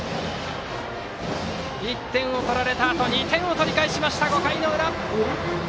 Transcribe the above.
１点を取られたあとに２点を取り返しました５回の裏。